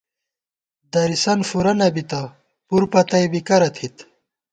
درِسن فُورہ نہ بِتہ پُر پتئ بی کرہ تھِت